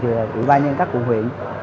ủy ban nhân cấp quận huyện